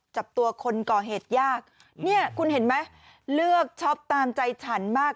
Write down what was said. จับตัวคนก่อเหตุยากเนี่ยคุณเห็นไหมเลือกช็อปตามใจฉันมาก